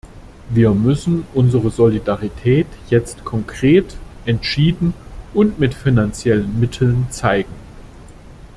Wir müssen unsere Solidarität jetzt konkret, entschieden und mit finanziellen Mitteln zeigen.